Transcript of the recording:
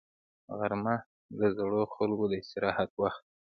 غرمه د زړو خلکو د استراحت وخت دی